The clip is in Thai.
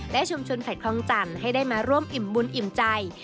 และชุมชนแผดคลองจันทร์ให้ได้มาร่วมอิ่มบุญอิ่มใจ